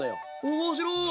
面白い。